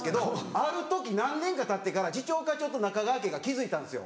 ある時何年かたってから次長課長と中川家が気付いたんですよ。